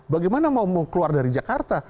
bagaimana mau keluar dari jakarta